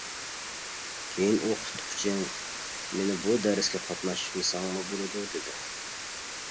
كېيىن ئوقۇتقۇچى مېنى بۇ دەرسكە قاتناشمىساڭمۇ بولىدۇ، دېدى.